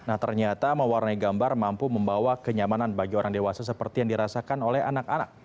nah ternyata mewarnai gambar mampu membawa kenyamanan bagi orang dewasa seperti yang dirasakan oleh anak anak